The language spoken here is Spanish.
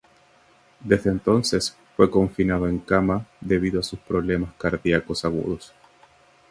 Desde entonces fue confinado en cama debido a problemas cardiacos agudos.